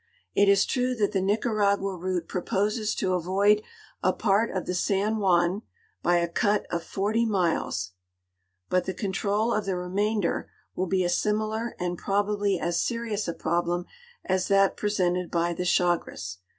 It is true that the Nicaragua route proposes to avoid a part of the San Juan 1)V a cut of 40 miles, but the control of the remainder will be a similar and probably as serious a problem as that 2)resented by the Chagres.